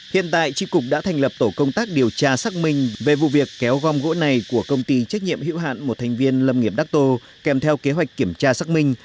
hiện tại tri cục đã thành lập tổ công tác điều tra xác minh về vụ việc kéo gom gỗ này của công ty trách nhiệm hữu hạn một thành viên lâm nghiệp đắc tô kèm theo kế hoạch kiểm tra xác minh